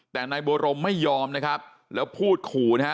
แต่นายบัวรมไม่ยอมนะครับแล้วพูดขู่นะฮะ